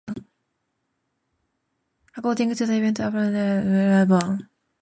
According to the event announcer Bret Kepner, the grandstands were barren.